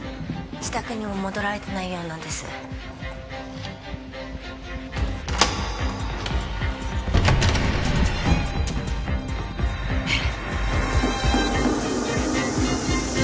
自宅にも戻られてないようなんですえっ！？